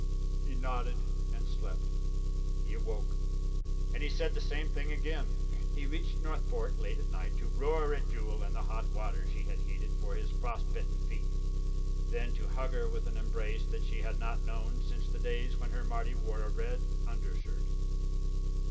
He nodded and slept. He awoke and he said the same thing again. He reached Northport, late at night, to roar at Jewel and the hot water she had heated for his frost bitten feet then to hug her with an embrace that she had not known since the days when her Marty wore a red undershirt.